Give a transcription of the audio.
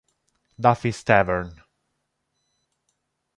Duffy's Tavern